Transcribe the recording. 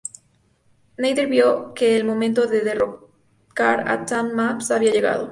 Nader vio que el momento de derrocar a Tahmasp había llegado.